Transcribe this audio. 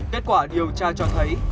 kết quả điều tra cho thấy